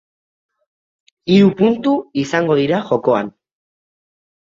Hiru puntu izango dira jokoan.